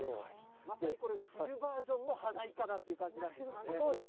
まさにこれ、冬バージョンの花いかだっていう感じなんですよ